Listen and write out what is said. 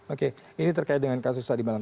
oke ini terkait dengan kasus tadi malam